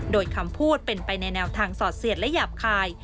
โดยคำพูดเป็นไปในแนวทางสอดเสียดและหยาบคาย